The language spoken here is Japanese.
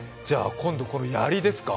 今度、これはやりですか。